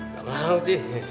gak mau ji